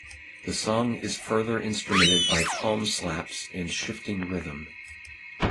The song is further instrumented by "palm slaps" and shifting rhythm.